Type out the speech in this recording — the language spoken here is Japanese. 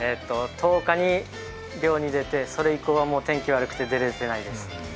１０日に漁に出て、それ以降は天気が悪くて出れていないです。